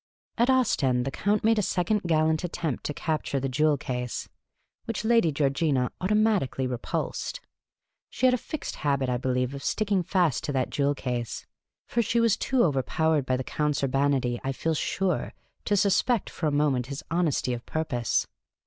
At Ostend the Count made a second gallant attempt to capture the jewel case, which Lady Georgina automatically repulsed. She had a fixed habit, I believe, of sticking fast to that jewel case ; for she was too overpowered by the Count's urbanity, I feel sure, to suspect for a moment his honesty of purpose.